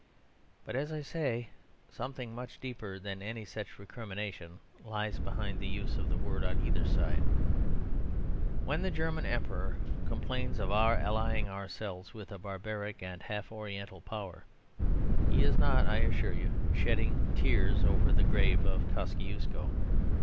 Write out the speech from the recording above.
But, as I say, something much deeper than any such recrimination lies behind the use of the word on either side. When the German Emperor complains of our allying ourselves with a barbaric and half oriental power he is not (I assure you) shedding tears over the grave of Kosciusko.